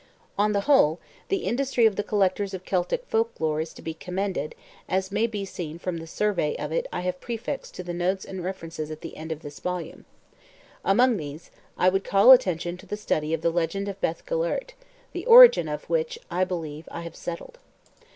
On the whole, the industry of the collectors of Celtic folk lore is to be commended, as may be seen from the survey of it I have prefixed to the Notes and References at the end of the volume. Among these, I would call attention to the study of the legend of Beth Gellert, the origin of which, I believe, I have settled.